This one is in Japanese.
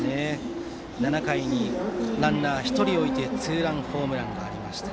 ７回にランナー１人を置いてツーランホームランがありました。